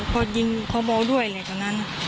พอยิงพอบอลด้วยเลยตอนนั้น